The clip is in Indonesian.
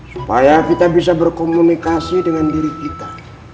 supaya kita bisa berkomunikasi dengan diri kita